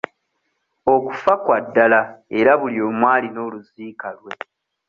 Okufa kwa ddala era buli omu alina oluziika lwe.